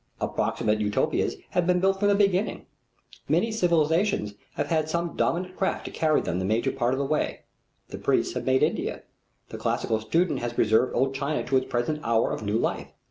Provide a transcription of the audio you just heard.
Approximate Utopias have been built from the beginning. Many civilizations have had some dominant craft to carry them the major part of the way. The priests have made India. The classical student has preserved Old China to its present hour of new life.